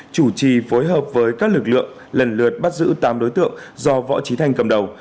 chủ trì phối hợp với các lực lượng lần lượt bắt giữ tám đối tượng do võ trí thanh cầm đầu